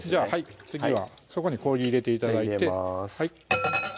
次はそこに氷入れて頂いて入れます